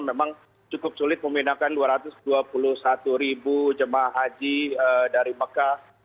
memang cukup sulit memindahkan dua ratus dua puluh satu ribu jemaah haji dari mekah